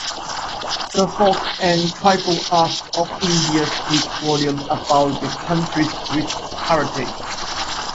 The folk and tribal arts of India speak volumes about the country's rich heritage.